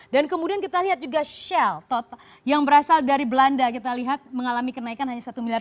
dan kemudian kita lihat juga shell yang berasal dari belanda kita lihat mengalami kenaikan hanya satu miliar